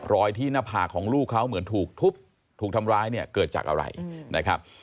ที่หน้าผากของลูกเขาเหมือนถูกทุบถูกทำร้ายเนี่ยเกิดจากอะไรนะครับ